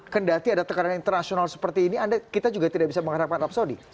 kendati ada tekanan internasional seperti ini kita juga tidak bisa mengharapkan arab saudi